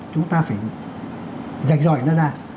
chúng ta phải dạy dõi nó ra